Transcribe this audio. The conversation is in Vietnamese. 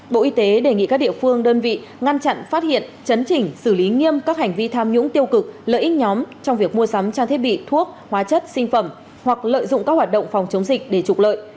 bộ y tế đề nghị các địa phương đơn vị ngăn chặn phát hiện chấn chỉnh xử lý nghiêm các hành vi tham nhũng tiêu cực lợi ích nhóm trong việc mua sắm trang thiết bị thuốc hóa chất sinh phẩm hoặc lợi dụng các hoạt động phòng chống dịch để trục lợi